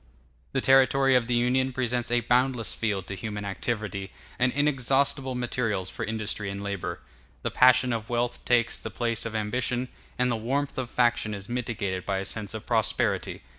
]] The territory of the Union presents a boundless field to human activity, and inexhaustible materials for industry and labor. The passion of wealth takes the place of ambition, and the warmth of faction is mitigated by a sense of prosperity.